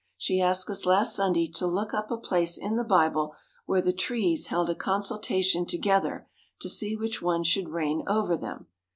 She asked us last Sunday to look up a place in the Bible where the trees held a consultation together, to see which one should reign over them.